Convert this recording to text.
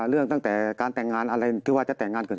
เรื่องตั้งแต่การแต่งงานอะไรคิดว่าจะแต่งงานอะไร